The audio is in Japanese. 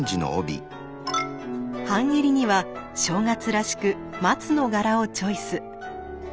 半襟には正月らしく松の柄をチョイス。